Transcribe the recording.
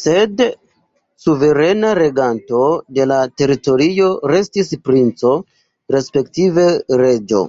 Sed suverena reganto de la teritorio restis princo, respektive reĝo.